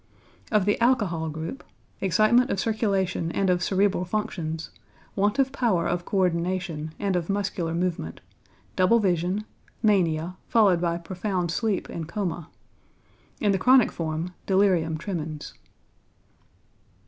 Of the alcohol group, excitement of circulation and of cerebral functions, want of power of co ordination and of muscular movement, double vision, mania, followed by profound sleep and coma. In the chronic form, delirium tremens.